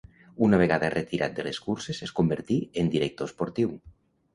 Una vegada retirat de les curses es convertí en director esportiu.